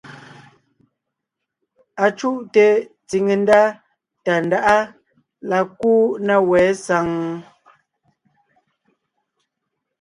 Acuʼte tsìŋe ndá Tàndáʼa la kúu na wɛ̌ saŋ ?